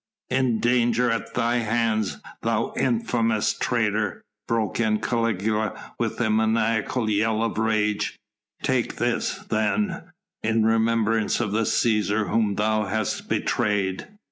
"In danger at thy hands, thou infamous traitor," broke in Caligula with a maniacal yell of rage; "take this then, in remembrance of the Cæsar whom thou hast betrayed!"